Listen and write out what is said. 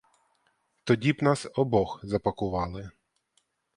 Тоді б нас обох запакували.